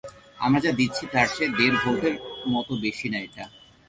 আমরা যা দিচ্ছি তার চেয়ে দেড় ভোল্টের মতো বেশি না এটা।